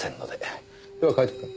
ではカイトくん。